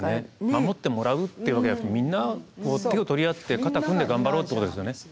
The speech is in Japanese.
守ってもらうってわけではなくてみんな手を取り合って肩組んで頑張ろうってことですよね。